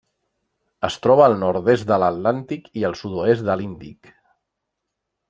Es troba al nord-est de l'Atlàntic i el sud-oest de l'Índic.